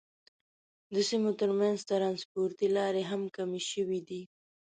د سیمو تر منځ ترانسپورتي لارې هم کمې شوې دي.